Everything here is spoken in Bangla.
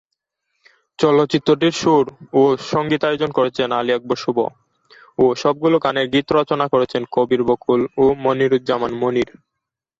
চলচ্চিত্রটির সুর ও সঙ্গীতায়োজন করেছেন আলী আকরাম শুভ ও সবগুলো গানের গীত রচনা করেছেন কবির বকুল ও মনিরুজ্জামান মনির।